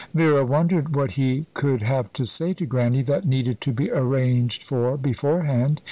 Vera wondered what he could have to say to Grannie that needed to be arranged for beforehand.